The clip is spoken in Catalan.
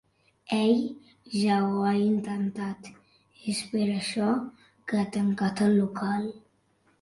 Ell ja ho ha intentat, és per això que ha tancat el local.